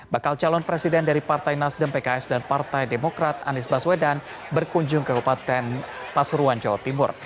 bakal calon presiden dari partai nasdem pks dan partai demokrat anies baswedan berkunjung ke kabupaten pasuruan jawa timur